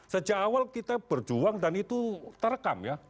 sejak awal kita berjuang dan itu terekam ya